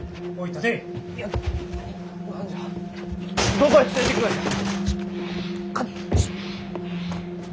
どこへ連れてくがじゃ？